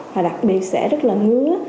và đặc biệt sẽ rất là ngứa